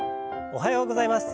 おはようございます。